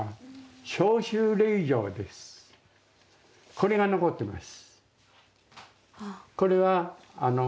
これが残ってます。